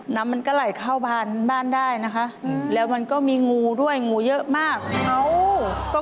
น้ำมันก็ไหลเข้าบ้านได้นะคะ